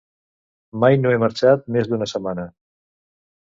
Mai no he marxat més d'una setmana.